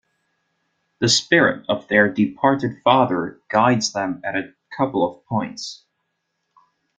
The spirit of their departed father "guides" them at a couple of points.